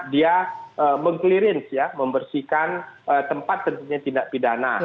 dia meng clearance ya membersihkan tempat terjadinya tindak pidana